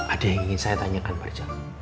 ada yang ingin saya tanyakan pak jarod